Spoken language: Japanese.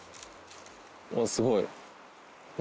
すごい。